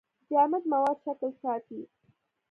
جامد مواد شکل ساتي.